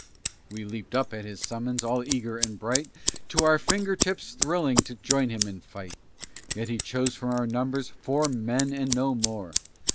We leaped up at his summons, all eager and bright, To our finger tips thrilling to join him in fight; Yet he chose from our numbers four men and no more.